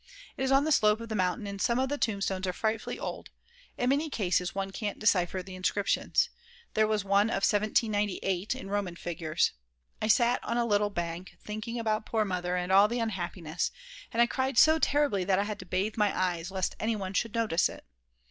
It is on the slope of the mountain and some of the tombstones are frightfully old, in many cases one can't decipher the inscriptions; there was one of 1798 in Roman figures. I sat on a little bank thinking about poor Mother and all the unhappiness, and I cried so terribly that I had to bathe my eyes lest anyone should notice it.